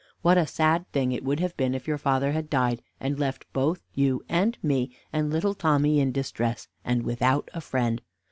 What a sad thing it would have been if your father had died, and left both you and me, and little Tommy in distress, and without a friend.